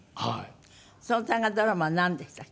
その大河ドラマはなんでしたっけ？